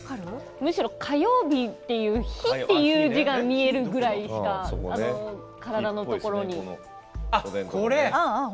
むしろ火曜日という火という字が見えるぐらいしか体のところに。